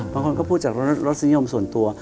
บางคนก็พูดจากรสนิยมส่วนตัว